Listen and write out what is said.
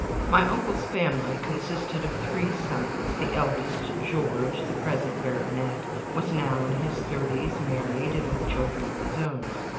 My uncle's family consisted of three sons. The eldest, George, the present baronet, was now in his thirties, married, and with children of his own.